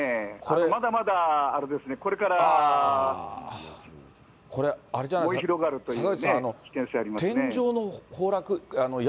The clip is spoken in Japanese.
まだまだ、あれですね、これから燃え広がるという危険性がありますね。